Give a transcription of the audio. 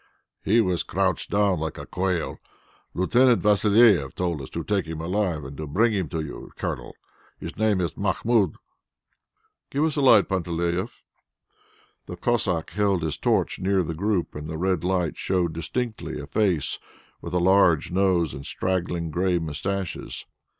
"He was crouched down like a quail. Lieutenant Vassilieff told us to take him alive and to bring him to you, Colonel. His name is Mahmoud." "Give us a light, Panteleieff." The Cossack held his torch near the group and the red light showed distinctly a face with a large nose and straggling grey moustaches.